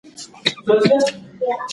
وواياست چې دا څه شی دی.